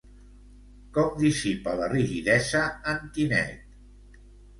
Com dissipa la rigidesa, en Tinet?